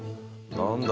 何だ？